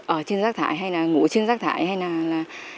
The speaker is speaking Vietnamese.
ở trên rác thải hay là ngủ trên rác thải hay là